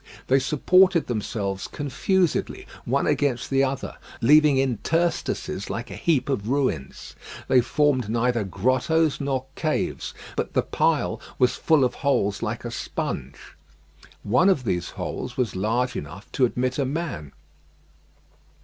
They supported themselves confusedly one against the other, leaving interstices like a heap of ruins. They formed neither grottoes nor caves, but the pile was full of holes like a sponge. One of these holes was large enough to admit a man.